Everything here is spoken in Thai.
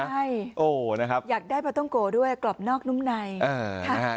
ใช่โอ้นะครับอยากได้ปลาต้องโกด้วยกรอบนอกนุ่มใน